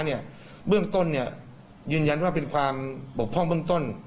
เนี่ยเบื้องต้นเนี่ยยืนยันว่าเป็นความปกพร่องเบื้องต้น